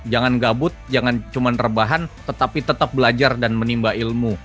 jangan gabut jangan cuma rebahan tetapi tetap belajar dan menimba ilmu